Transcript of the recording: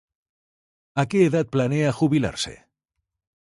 ¿A qué edad planea jubilarse?